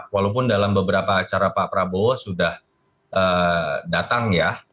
walaupun dalam beberapa acara pak prabowo sudah datang ya